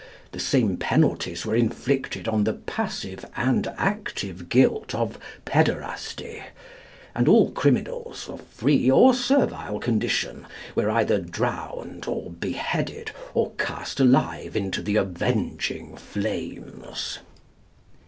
the same penalties were inflicted on the passive and active guilt of pæderasty; and all criminals, of free or servile condition, were either drowned, or beheaded, or cast alive into the avenging flames."